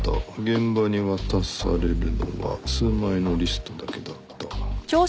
「現場に渡されるのは数枚のリストだけだった」